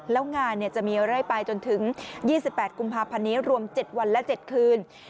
แล้วงานจะมีเรื่อยไปจนถึง๒๘กุมภาพันธ์นี้รวม๗วันและ๗คืน